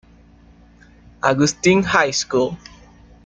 Augustine High School".